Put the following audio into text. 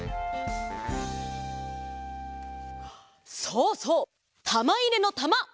そうそう！たまいれのたま！